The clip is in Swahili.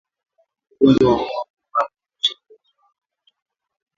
Ugonjwa wa homa ya mapafu hushambulia ngombe tu